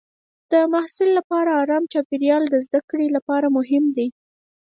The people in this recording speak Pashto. د محصل لپاره ارام چاپېریال د زده کړې لپاره مهم دی.